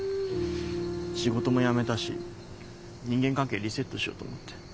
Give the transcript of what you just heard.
仕事も辞めたし人間関係リセットしようと思って。